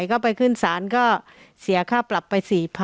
ซึ่งเขาไปขึ้นศาลก็เสียข้าวปรับไป๔๐๐๐